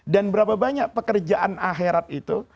dan berapa banyak pekerjaan akhirat itu